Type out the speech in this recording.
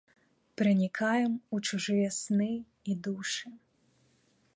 Пранікаем ў чужыя сны і душы.